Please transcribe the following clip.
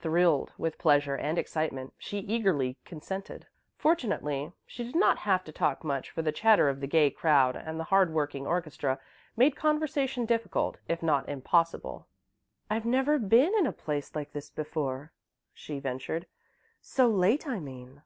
Thrilled with pleasure and excitement, she eagerly consented. Fortunately, she did not have to talk much, for the chatter of the gay crowd, and the hard working orchestra made conversation difficult, if not impossible. "I've never been in a place like this before," she ventured. "So late, I mean."